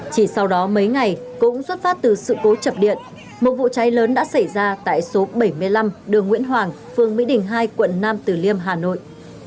chỉ sau đó mấy ngày cũng xuất phát từ sự cố chập điện một vụ cháy lớn đã xảy ra tại số bảy mươi năm đường nguyễn hoàng phương mỹ đình hai quận nam tử liêm hà nội